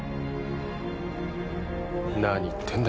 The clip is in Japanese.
何言ってんだ